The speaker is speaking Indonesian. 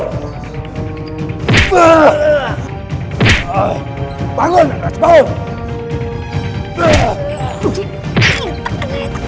oh gini separuh ngecek dimana sih